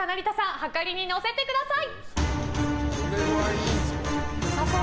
はかりに乗せてください！